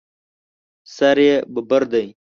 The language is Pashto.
سر یې ببر دی.